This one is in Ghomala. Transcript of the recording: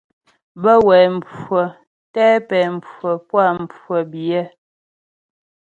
Bə́ wɛ mhwə̌ tɛ pɛ̌ mhwə̀ puá mhwə biyɛ.